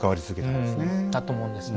うんだと思うんですね。